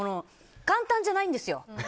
簡単じゃないんですよ。